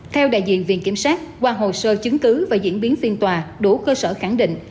theo đại diện viện kiểm soát qua hồ sơ chứng cứ và diễn biến phiên tòa đủ cơ sở khẳng định